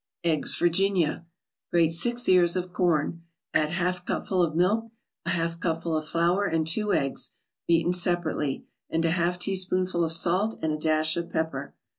EGGS VIRGINIA Grate six ears of corn. Add half cupful of milk, a half cupful of flour and two eggs, beaten separately, and a half teaspoonful of salt and a dash of pepper.